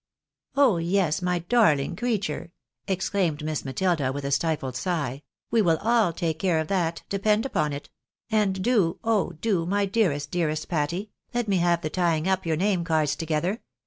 " Oh, yes ! my darling creature !" exclaimed Miss Matilda, with a stifled sigh, " we will aU take care of that, depend upon it ; and do — oh, do — my dearest, dearest Patty ! let me have the tying up your name cards together